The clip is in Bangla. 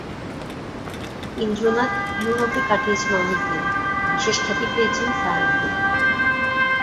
ইন্দ্রনাথ য়ুরোপে কাটিয়েছেন অনেক দিন, বিশেষ খ্যাতি পেয়েছেন সায়ান্সে।